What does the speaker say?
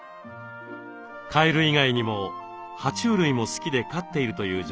カエル以外にもは虫類も好きで飼っているという女性。